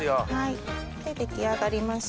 出来上がりました。